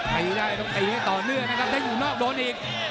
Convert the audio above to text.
ตีได้ต้องตีให้ต่อเนื่องนะครับถ้าอยู่นอกโดนอีก